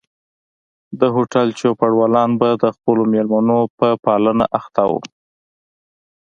د هوټل چوپړوالان به د خپلو مېلمنو په پالنه اخته وو.